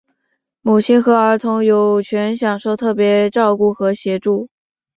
母亲和儿童有权享受特别照顾和协助。